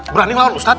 berani ngelawan ustad